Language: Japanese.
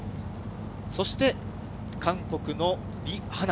そして、韓国のリ・ハナ。